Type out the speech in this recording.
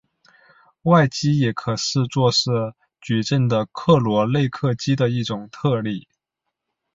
外积也可视作是矩阵的克罗内克积的一种特例。